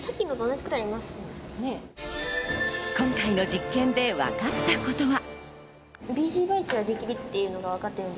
今回の実験で分かったことは？